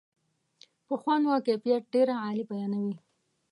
په خوند و کیفیت ډېره عالي بیانوي.